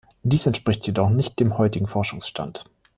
Dies entspricht jedoch nicht dem heutigen Forschungsstand.